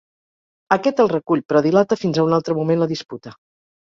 Aquest el recull, però dilata fins a un altre moment la disputa.